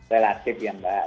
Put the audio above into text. relatif ya mbak